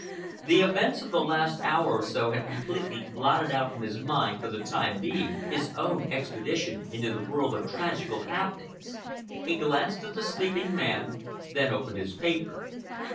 The events of the last hour or so had completely blotted out from his mind, for the time being, his own expedition into the world of tragical happenings. He glanced at the sleeping man, then opened his paper.